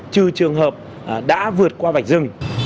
trừ trường hợp đã vượt qua vạch dừng